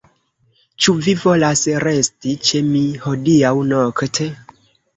Ĉu vi volas resti ĉe mi hodiaŭ nokte?